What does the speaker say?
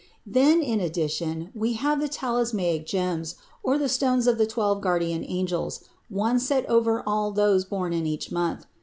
] Then, in addition, we have the "talismanic gems," or the stones of the twelve guardian angels, one set over all those born in each month.